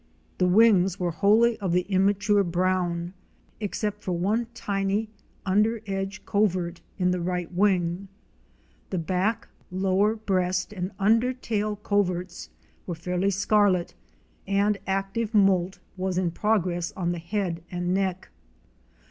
The wings were wholly of the immature STEAMER AND LAUNCH TO HOORIE CREEK. 155 brown, except for one tiny under edge covert in the right wing. The back, lower breast and under tail coverts were fairly scarlet and active moult was in progress on the head and neck.